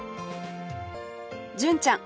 純ちゃん